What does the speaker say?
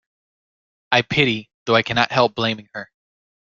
I pity, though I cannot help blaming her.